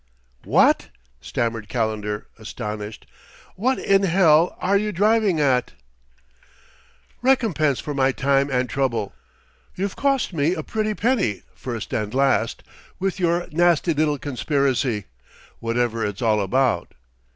"What?" stammered Calendar, astonished. "What in hell are you driving at?" "Recompense for my time and trouble. You've cost me a pretty penny, first and last, with your nasty little conspiracy whatever it's all about.